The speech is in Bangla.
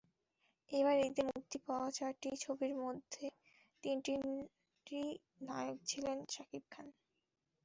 এবার ঈদে মুক্তি পাওয়া চারটি ছবির মধ্যে তিনটিরই নায়ক ছিলেন শাকিব খান।